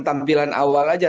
tampilan awal aja